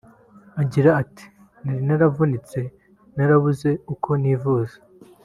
Agira ati “Nari naravunitse narabuze uko nivuza